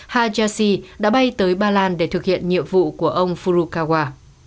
hayashi đã bay tới ba lan để thực hiện nhiệm vụ của ông furukawa